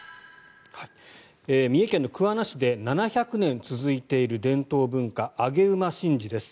三重県の桑名市で７００年続いている伝統文化上げ馬神事です。